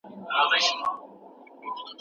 څه ګل غونډۍ وه څه بهارونه